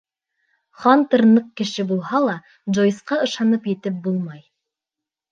Хантер ныҡ кеше булһа ла, Джойсҡа ышанып етеп булмай.